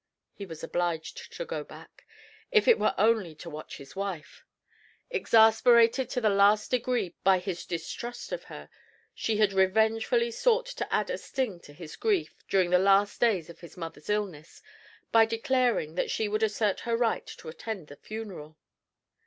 He was obliged to go back, if it were only to watch his wife. Exasperated to the last degree by his distrust of her, she had revengefully sought to add a sting to his grief, during the last days of his mother's illness, by declaring that she would assert her right to attend the funeral.